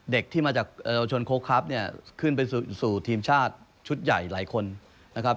เด็กที่มาจากเยาวชนโค้กครับเนี่ยขึ้นไปสู่ทีมชาติชุดใหญ่หลายคนนะครับ